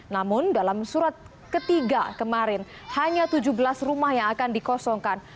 namun dalam surat ketiga kemarin hanya tujuh belas rumah yang akan dikosongkan